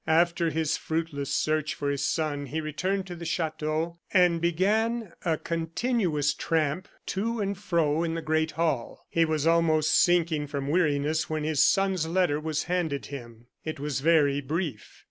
After his fruitless search for his son he returned to the chateau, and began a continuous tramp to and fro in the great hall. He was almost sinking from weariness when his son's letter was handed him. It was very brief.